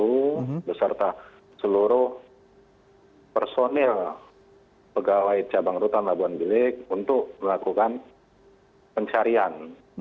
kodim labuan batu beserta seluruh personil pegawai cabang rutan labuan bilik untuk melakukan pencarian